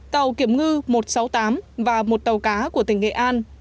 tàu kiểm ngư một trăm sáu mươi tám và một tàu cá của tỉnh nghệ an